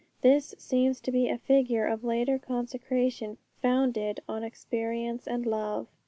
This seems to be a figure of later consecration founded on experience and love.